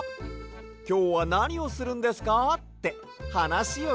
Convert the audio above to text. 「きょうはなにをするんですか？」ってはなしをきくのさ。